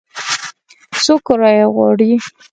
څو کرایه غواړي ؟